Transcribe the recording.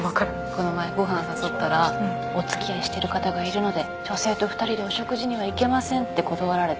この前ご飯誘ったらお付き合いしてる方がいるので女性と２人でお食事には行けませんって断られて。